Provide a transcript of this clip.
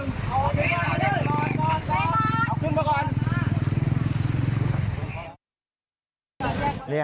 ทุเรียด